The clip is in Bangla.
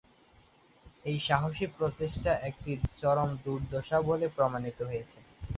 এই সাহসী প্রচেষ্টা একটি "চরম দুর্দশা" বলে প্রমাণিত হয়েছে।